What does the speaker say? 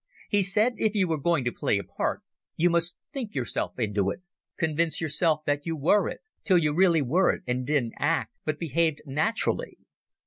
He said if you were going to play a part, you must think yourself into it, convince yourself that you were it, till you really were it and didn't act but behaved naturally.